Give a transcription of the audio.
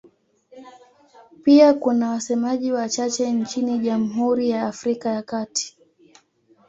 Pia kuna wasemaji wachache nchini Jamhuri ya Afrika ya Kati.